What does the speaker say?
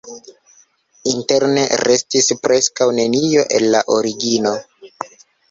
Interne restis preskaŭ nenio el la origino.